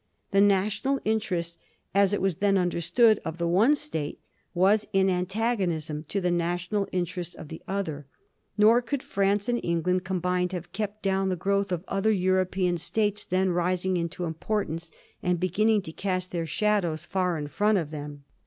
The national inter est, as it was then understood, of the one State was in antagonism to the national interest of the other. Nor could France and England combined have kept down the growth of other European States then rising into importance and beginning to cast their shadows far m front of them.